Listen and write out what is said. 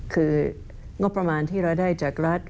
คืองบประมาณที่เราได้จากรัฐ